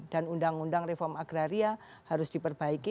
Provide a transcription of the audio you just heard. dan undang undang reform agraria harus diperbaiki